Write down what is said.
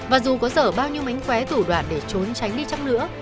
và dù có dở bao nhiêu mánh khóe tủ đoạn để trốn tránh đi chắc nữa